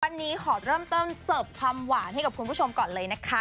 วันนี้ขอเริ่มต้นเสิร์ฟความหวานให้กับคุณผู้ชมก่อนเลยนะคะ